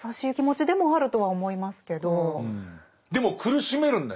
でも苦しめるんだよね。